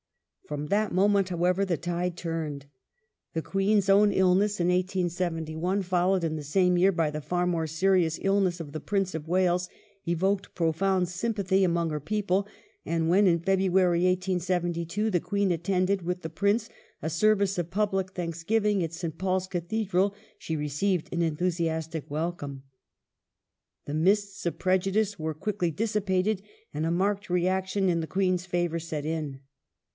From that moment, however, the tide turned. The Queen's own illness in 1871, followed in the same year by the far more serious illness of the Prince of Wales, evoked profound sympathy among her people, and when in February, 1872, the Queen attended with the Prince a service of public thanksgiving at St. Paul's Cathedral, she received an enthusiastic welcome. The mists of prejudices were quickly dissipated, and a marked reaction in the Queen's favour set in.